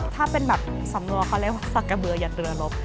ถ้าเป็นแบบสำนักว่าเขาเรียกว่าสักกะเบลอหยัดเรือลบ